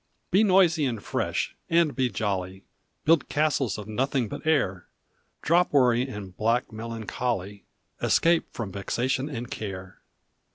Be noisy and fresh, and be jolly ; Build castles of nothing but air ; Drop worry and black melancholy Escape from vexation and care.